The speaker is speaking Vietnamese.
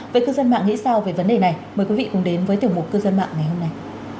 về cư dân mạng nghĩ sao về vấn đề này mời quý vị cùng đến với tiểu mục cư dân mạng ngày hôm nay